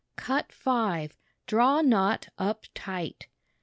Cut 5 Draw knot up tight.